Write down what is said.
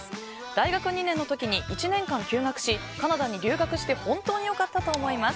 大学２年の時に１年間休学しカナダに留学して本当に良かったと思います。